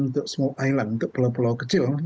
untuk small island untuk pulau pulau kecil